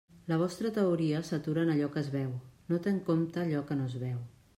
La vostra teoria s'atura en allò que es veu, no té en compte allò que no es veu.